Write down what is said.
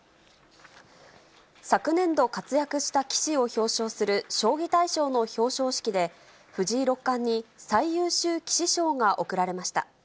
昨年度活躍した棋士を表彰する将棋大賞の表彰式で、藤井六冠に最優秀棋士賞が贈られました。